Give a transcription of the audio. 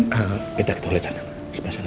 kita ketemu lagi sana